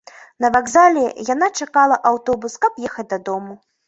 На вакзале яна чакала аўтобус, каб ехаць дадому.